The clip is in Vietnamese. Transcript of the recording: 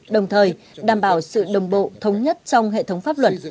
đồng thời đảm bảo sự đồng bộ thống nhất trong hệ thống pháp luật